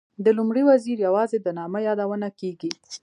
د لومړي وزیر یوازې د نامه یادونه کېږي.